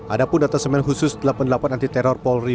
ada pun data semen khusus delapan puluh delapan anti teror polri